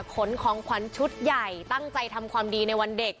ขนของขวัญชุดใหญ่ตั้งใจทำความดีในวันเด็ก